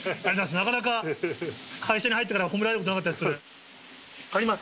なかなか会社に入ってから褒められたことなかったです。